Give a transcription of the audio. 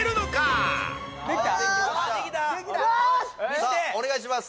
さあお願いします